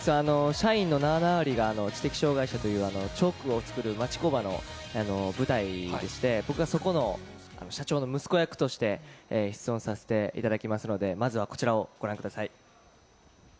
社員の７割が知的障がい者という、チョークを作る町工場の舞台でして、僕はそこの社長の息子役として、出演させていただきますので、まずはこちらをご覧ください。